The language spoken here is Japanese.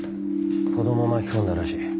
子ども巻き込んだらしい。